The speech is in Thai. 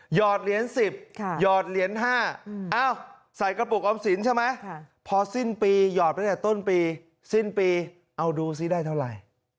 อดเหรียญ๑๐หยอดเหรียญ๕ใส่กระปุกออมสินใช่ไหมพอสิ้นปีหยอดตั้งแต่ต้นปีสิ้นปีเอาดูซิได้เท่าไหร่